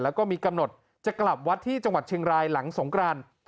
แล้วก็มีกำหนดจะกลับวัดที่จังหวัดเชียงรายหลังสงกราน